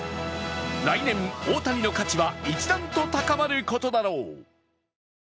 来年、大谷の価値は一段と高まることだろう。